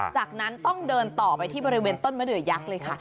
จากนั้นต้องเดินต่อไปที่บริเวณต้นมะเดือยักษ์เลยค่ะ